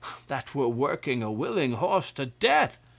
That were working a willing horse to death.